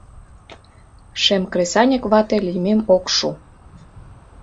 Шем кресаньык вате лиймем ок шу